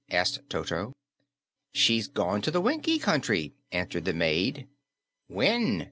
asked Toto. "She's gone to the Winkie Country," answered the maid. "When?"